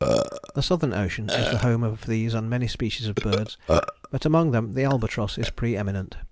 The Southern Ocean is the home of these and many species of birds, but among them the albatross is pre eminent.